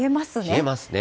冷えますね。